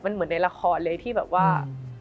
มันเหมือนในละครเลยที่แบบว่า